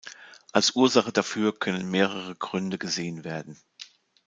Als Ursache dafür können mehrere Gründe gesehen werden.